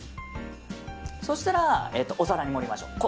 そうしたらお皿に盛りましょう。